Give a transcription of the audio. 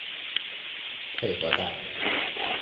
佩和代。